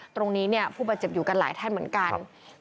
ตรงนี้ผู้บาดเจ็บอยู่กันหลายท่านเหมือนกัน